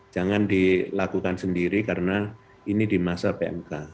jangan dilakukan sendiri karena ini di masa pmk